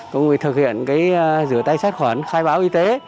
có người thực hiện rửa tay sát khoản khai báo y tế